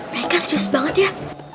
mereka serius banget ya